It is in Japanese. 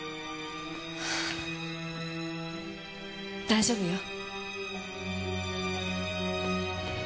大丈夫よ。